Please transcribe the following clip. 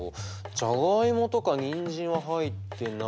じゃがいもとかにんじんは入ってないし。